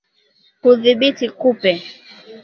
Kudhibiti kupe